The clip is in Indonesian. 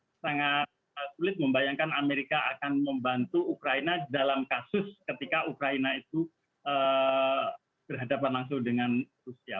jadi sangat sangat sulit membayangkan amerika akan membantu ukraina dalam kasus ketika ukraina itu berhadapan langsung dengan rusia